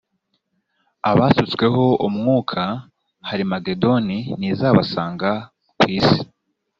abasutsweho umwuka harimagedoni ntizabasanga ku isi